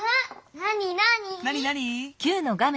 なになに？